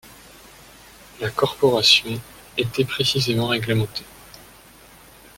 La corporation était précisément règlementée.